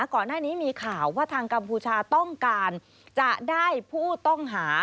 ก่อนหน้านี้มีข่าวว่าทางกัมพูชาต้องการจะได้ผู้ต้องหา